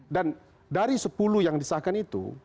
dan dari sepuluh yang disahkan itu